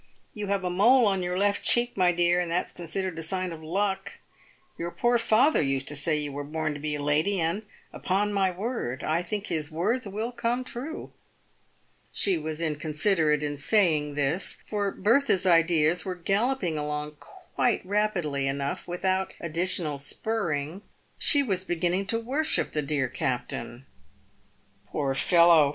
You have a mole on your left cheek, my dear, and that's considered a sign of luck. Your poor father used to say you were born to be a lady, and, upon my word, I think his words will come true." She was inconsiderate in saying this, for Bertha's ideas were gallop ing along quite rapidly enough without additional spurring. She was beginning to worship the dear captain. " Poor fellow